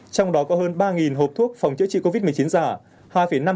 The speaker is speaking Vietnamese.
trong đó có hơn ba hộp thuốc phòng chữa trị covid một mươi chín giả